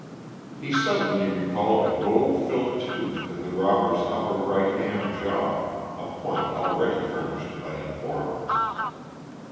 He suddenly recalled a gold filled tooth in the robber's upper right hand jaw, a point already furnished by informants.